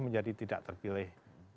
menjadi tidak terpilih